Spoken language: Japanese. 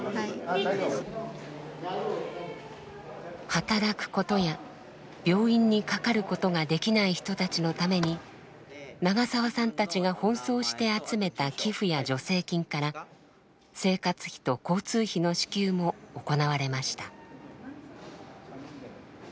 働くことや病院にかかることができない人たちのために長澤さんたちが奔走して集めた寄付や助成金から生活費と交通費の支給も行われました。